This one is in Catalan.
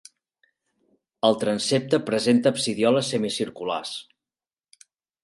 El transsepte presenta absidioles semicirculars.